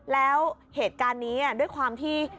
แล้วเหตุการณ์นี้ด้วยความที่